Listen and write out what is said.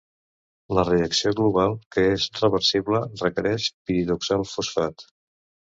La reacció global, que és reversible, requereix piridoxal fosfat.